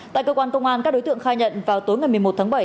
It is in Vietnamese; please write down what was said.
tại cơ quan công an các đối tượng khai nhận vào tối ngày một mươi một tháng bảy